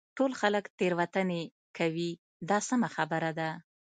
ټول خلک تېروتنې کوي دا سمه خبره ده.